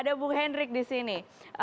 ada bu hendrik disini